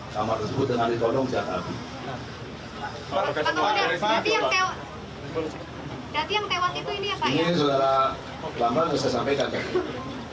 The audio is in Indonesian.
kamar tersebut dengan ditodong siap api